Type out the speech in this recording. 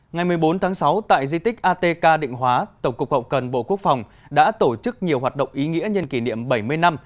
ngày một mươi bốn tháng sáu tại di tích atk định hóa tổng cục hậu cần bộ quốc phòng đã tổ chức nhiều hoạt động ý nghĩa nhân kỷ niệm bảy mươi năm